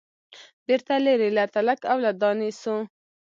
بیرته لیري له تلک او له دانې سو